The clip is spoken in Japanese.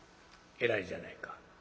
「偉いじゃないか。